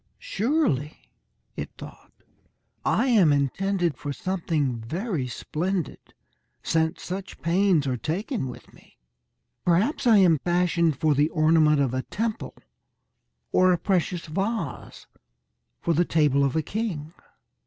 "Surely," it thought, "I am intended for something very splendid, since such pains are taken with me. Perhaps I am fashioned for the ornament of a temple, or a precious vase for the table of a king."